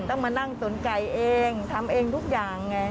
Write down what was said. ต้องมานั่งตุ๋นไก่เองทำเองทุกอย่างไง